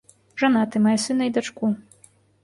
Жанаты, мае сына і дачку.